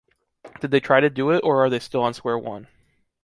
Did they try to do it or are they still on square one?